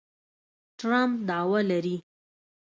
ټرمپ دعوه لري